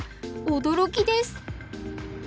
驚きです！